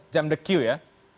jam tekiu ya